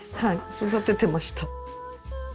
育ててました。